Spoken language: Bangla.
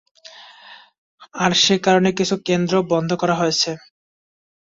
আর সে কারণে কিছু কেন্দ্র বন্ধ করা হয়েছে।